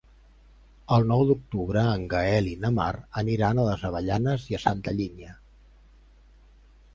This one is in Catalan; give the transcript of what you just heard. El nou d'octubre en Gaël i na Mar aniran a les Avellanes i Santa Linya.